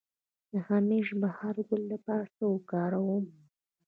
د همیش بهار ګل د څه لپاره وکاروم؟